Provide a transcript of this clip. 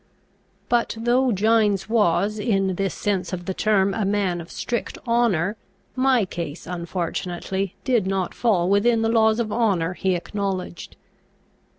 But, though Gines was, in this sense of the term, a man of strict honour, my case unfortunately did not fall within the laws of honour he acknowledged.